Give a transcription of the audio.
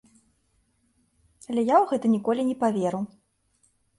Але я ў гэта ніколі не паверу.